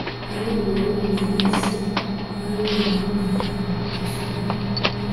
Hari uwabimenya se? Ahari wenda ntiyazisubiraho!